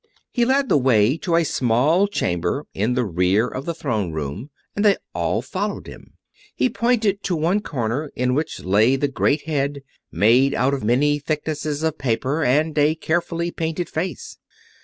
He led the way to a small chamber in the rear of the Throne Room, and they all followed him. He pointed to one corner, in which lay the great Head, made out of many thicknesses of paper, and with a carefully painted face.